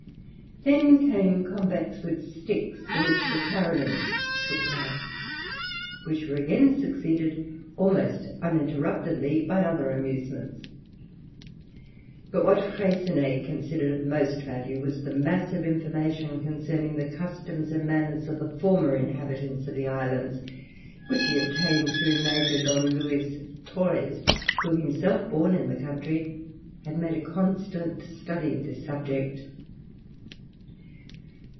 Then came combats with sticks in which the Carolins took part; which again were succeeded, almost uninterruptedly by other amusements. But what Freycinet considered of most value was the mass of information concerning the customs and manners of the former inhabitants of the islands, which he obtained through Major D. Luis Torrès; who, himself born in the country, had made a constant study of this subject.